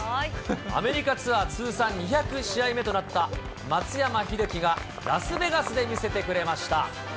アメリカツアー通算２００試合目となった松山英樹が、ラスベガスで見せてくれました。